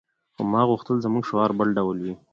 خو ما غوښتل زموږ شعار بل ډول وي